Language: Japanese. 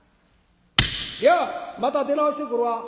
「じゃあまた出直してくるわ」。